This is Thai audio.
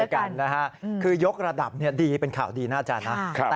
กันค่ะคือยกระดับเนี้ยดีเป็นข่าวดีน่ะอาจารย์น่ะแต่ว่า